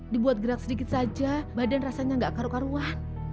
dibuat gerak sedikit saja badan rasanya nggak karuan